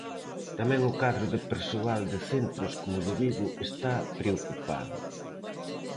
Tamén o cadro de persoal de centros como o de Vigo está "preocupado".